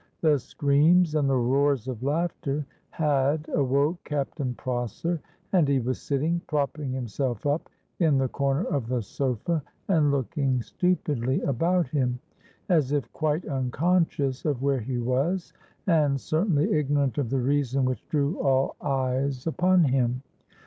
The screams and the roars of laughter had awoke Captain Prosser; and he was sitting, propping himself up, in the corner of the sofa, and looking stupidly about him, as if quite unconscious of where he was, and certainly ignorant of the reason which drew all eyes upon him.